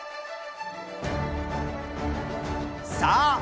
さあ